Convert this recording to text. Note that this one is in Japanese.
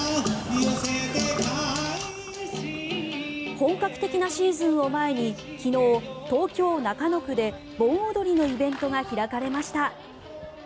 本格的なシーズンを前に昨日東京・中野区で盆踊りのイベントが開かれました。